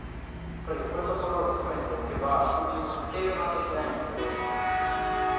やっぱりこういうところをシメておけばスケール負けしないので。